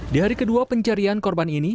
di hari kedua pencarian korban ini